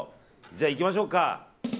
じゃあ、いきましょうか。